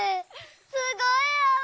すごいあわ！